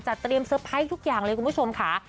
เตรียมเตอร์ไพรส์ทุกอย่างเลยคุณผู้ชมค่ะ